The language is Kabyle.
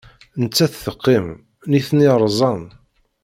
Nettat teqqim, nitni rzan.